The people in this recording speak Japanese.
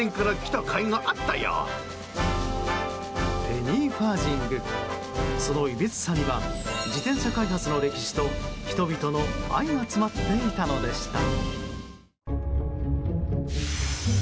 ペニーファージングそのいびつさには自転車開発の歴史と人々の愛が詰まっていたのでした。